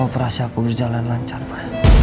operasi aku berjalan lancar ma